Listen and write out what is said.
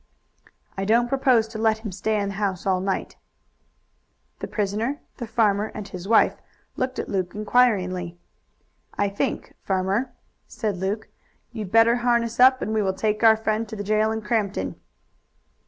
"I don't propose to let him stay in the house all night." The prisoner, the farmer and his wife looked at Luke inquiringly. "I think, farmer," said Luke, "you'd better harness up and we will take our friend to the jail in Crampton."